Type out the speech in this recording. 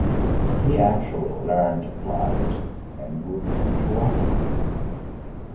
He actually learned to fly it en route to Africa.